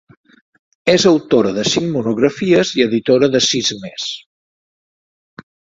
És autora de cinc monografies i editora de sis més.